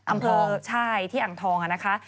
อำเภอใช่ที่อ่างทองนะคะ